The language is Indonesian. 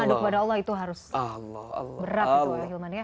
pandu kepada allah itu harus berat gitu ya hilman ya